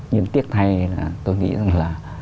nhưng tiếc thay là tôi nghĩ là